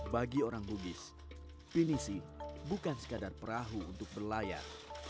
bagi orang bugis pinisi bukan sekadar perahu untuk berlayar